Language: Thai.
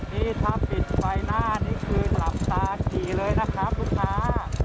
นี่ถ้าปิดไฟหน้านี่คือหลับตาขี่เลยนะครับลูกค้า